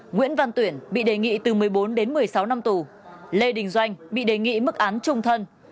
nguyễn văn tuyển bị đề nghị từ một mươi bốn đến một mươi sáu năm tù lê đình doanh bị đề nghị mức án trung thân